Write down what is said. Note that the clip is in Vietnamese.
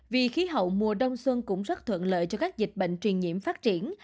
vì khí hậu mùa đông xuân cũng rất thuận lợi cho các dịch bệnh truyền nhiễm phát triển